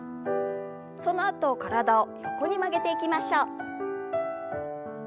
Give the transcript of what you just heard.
そのあと体を横に曲げていきましょう。